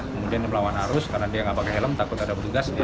kemudian melawan arus karena dia nggak pakai helm takut ada petugas